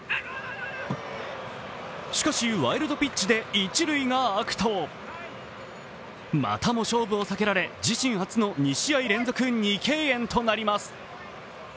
しかし、ワイルドピッチで一塁があくとまたも勝負を避けられ、自身初の２試合連続の２敬遠となります。